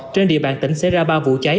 trên địa bàn tỉnh xảy ra ba vụ cháy